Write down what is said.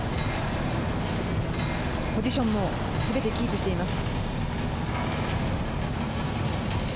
ポジションもすべてキープしています。